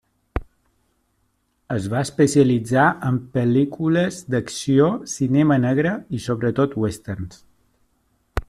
Es va especialitzar en pel·lícules d'acció, cinema negre i sobretot westerns.